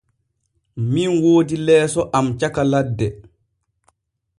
Min woodi leeso am caka ladde.